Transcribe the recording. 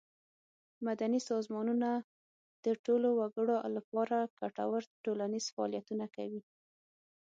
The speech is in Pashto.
مدني سازمانونه د ټولو وګړو له پاره ګټور ټولنیز فعالیتونه کوي.